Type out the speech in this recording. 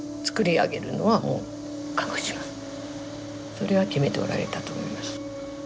それは決めておられたと思いました。